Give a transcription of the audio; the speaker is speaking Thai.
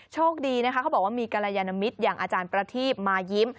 โชคดีนะคะเขาบอกว่ามีกรยานมิตรอย่างอาจารย์ประทีบมายิ้ม